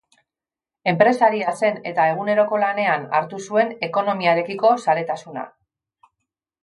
Enpresaria zen, eta eguneroko lanean hartu zuen ekonomiarekiko zaletasuna.